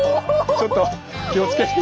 ちょっと気をつけて。